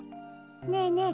ねえねえ